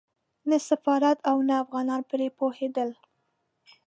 نه سفارت او نه افغانان پرې پوهېدل.